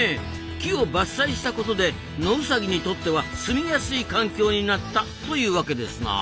木を伐採したことでノウサギにとってはすみやすい環境になったというわけですな。